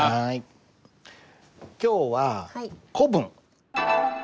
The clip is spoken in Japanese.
今日は古文。